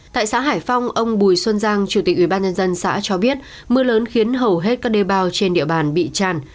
tại xã hải phong ông bùi xuân giang chủ tịch ubnd xã cho biết mưa lớn khiến hầu hết các đê bao trên địa bàn bị tràn